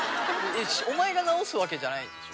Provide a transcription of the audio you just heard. お前が治すわけじゃないんでしょ。